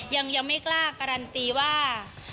ยังไม่กล้าการันตีว่า